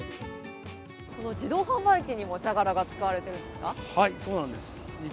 この自動販売機にも茶殻が使われているんですか？